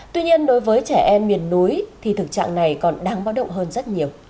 tuy nhiên đối với trẻ em miền núi thì thực trạng này còn đang báo động hơn rất nhiều